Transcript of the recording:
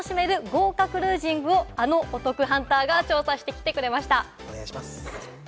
豪華クルージングをあのお得ハンターが調査してきてくれました。